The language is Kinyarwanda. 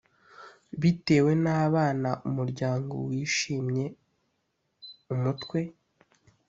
bitewe n abana umuryango wishimye umutwe